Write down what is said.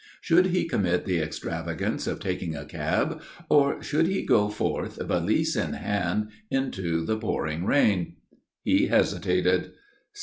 Should he commit the extravagance of taking a cab or should he go forth, valise in hand, into the pouring rain? He hesitated.